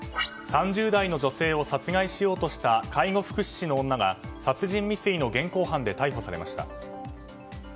３０代の女性を殺害しようとした介護福祉士の女が、殺人未遂の現行犯で逮捕されました。